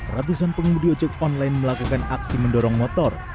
ratusan pengumum di ojek online melakukan aksi mendorong motor